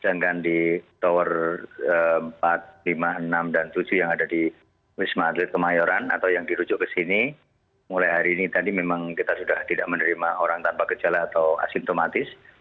dan di tower empat lima enam dan tujuh yang ada di wisma atlet kemayoran atau yang dirujuk ke sini mulai hari ini tadi memang kita sudah tidak menerima orang tanpa gejala atau asintomatis